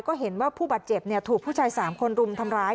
ก็เห็นว่าผู้บาดเจ็บถูกผู้ชาย๓คนรุมทำร้าย